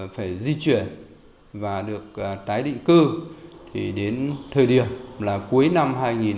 phải di chuyển và được tái định cư thì đến thời điểm là cuối năm hai nghìn hai mươi